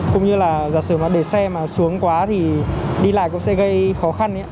cũng như là giả sử mà để xe mà xuống quá thì đi lại cũng sẽ gây khó khăn